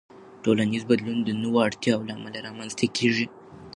ټولنیز بدلون د نوو اړتیاوو له امله رامنځته کېږي.